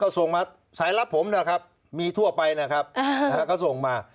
เขาส่งมาสายลับผมนะครับมีทั่วไปนะครับเขาส่งมา